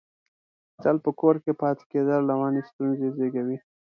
تل په کور کې پاتې کېدل، رواني ستونزې زېږوي.